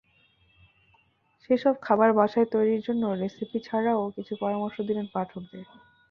সেসব খাবার বাসায় তৈরির জন্য রেসিপি ছাড়াও কিছু পরমর্শ দিলেন পাঠকদের।